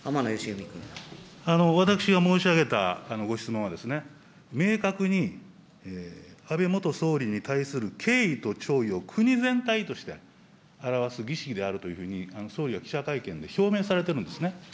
私が申し上げたご質問は、明確に、安倍元総理に対する敬意と弔意を国全体として表す儀式であるというふうに、総理は記者会見で表明されているんですね。